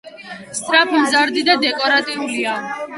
სწრაფმზარდი და დეკორატიულია.